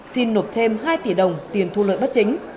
xin nộp thêm hai tỷ đồng tiền thu lợi bất chính